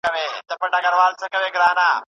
په دې خلکو کې پخوا وه اوس هم شته